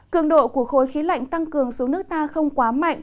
cường độ của khối khí lạnh tăng cường xuống nước ta không quá mạnh